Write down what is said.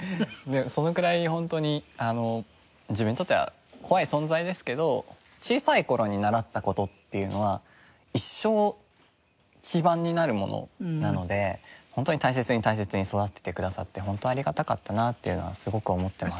そのくらいホントにあの自分にとっては怖い存在ですけど小さい頃に習った事っていうのは一生基盤になるものなのでホントに大切に大切に育ててくださってホントありがたかったなっていうのはすごく思ってます。